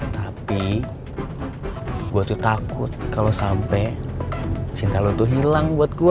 tapi gue tuh takut kalau sampai cinta lu tuh hilang buat gue